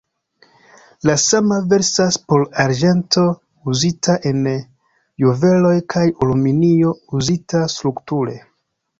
La sama veras por arĝento uzita en juveloj kaj aluminio uzita strukture.